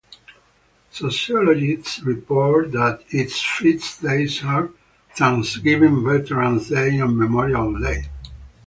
Sociologists report that its "feast days" are Thanksgiving, Veterans' Day and Memorial Day.